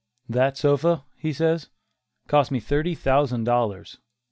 "That sofa," he says, "cost me thirty thousand dollars!"